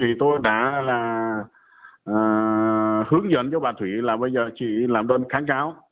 vì tôi đã hướng dẫn cho bà thủy là bây giờ chỉ làm đơn kháng cáo